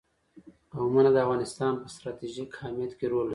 قومونه د افغانستان په ستراتیژیک اهمیت کې رول لري.